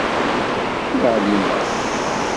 Ur ɛlimeɣ.